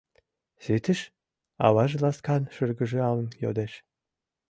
— Ситыш? — аваже ласкан шыргыжалын йодеш.